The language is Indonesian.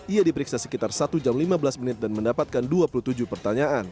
ia diperiksa sekitar satu jam lima belas menit dan mendapatkan dua puluh tujuh pertanyaan